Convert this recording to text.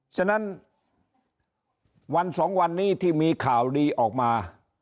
ฉะนั้นวันสองวันนี้ที่มีข่าวดีออกมา